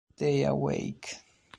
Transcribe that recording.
Stay Awake